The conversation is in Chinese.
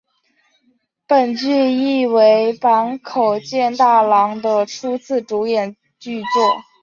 本剧亦为坂口健太郎的初次主演剧作。